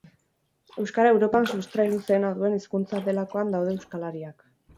Euskara Europan sustrai luzeena duen hizkuntza delakoan daude euskalariak.